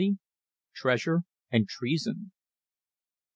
TREASURE AND TREASON.